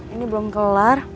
ini belum kelar